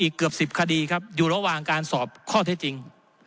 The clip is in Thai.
เกือบ๑๐คดีครับอยู่ระหว่างการสอบข้อเท็จจริง